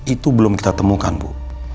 itu belum kita temukan bu